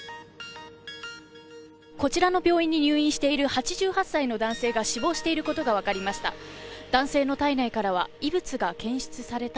こちらの病院に入院している８８歳の男性が死亡していることが分かりました。